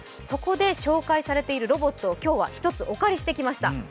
そこで紹介されているロボットを今日は１つお借りしてきました。